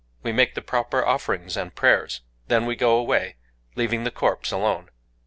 We make the proper offerings and prayers;—then we go away, leaving the corpse alone.